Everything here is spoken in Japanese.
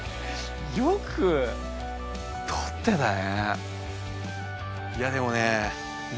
よくとってたね！